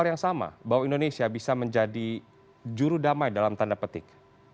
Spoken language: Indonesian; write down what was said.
apakah anda melihat hal yang sama bahwa indonesia bisa menjadi jurudama dalam tanda petik